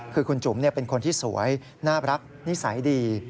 คือคุณจุ๋มเป็นคนที่สวยน่ารักนิสัยดี